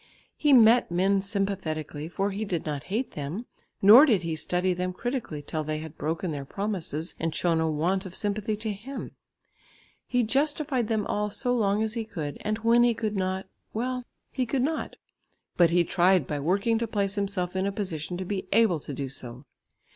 He met men sympathetically, for he did not hate them, nor did he study them critically till they had broken their promises and shown a want of sympathy to him. He justified them all so long as he could, and when he could not, well, he could not, but he tried by working to place himself in a position to be able to do so.